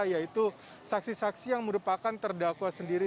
yaitu saksi saksi yang merupakan terdakwa sendiri